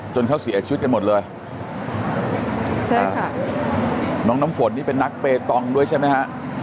เขาเสียชีวิตกันหมดเลยใช่ค่ะน้องน้ำฝนนี่เป็นนักเปตองด้วยใช่ไหมฮะ